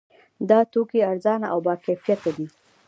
دا توکي ارزانه او باکیفیته دي.